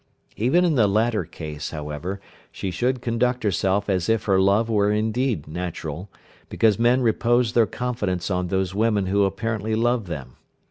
Even in the latter case, however, she should conduct herself as if her love were indeed natural, because men repose their confidence on those women who apparently love them.